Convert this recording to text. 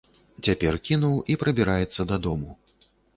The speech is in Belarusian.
Цяпер кінуў і прабіраецца дадому.